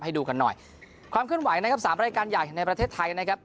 ให้ดูกันหน่อยความเคลื่อนไหวนะครับสามรายการใหญ่ในประเทศไทยนะครับ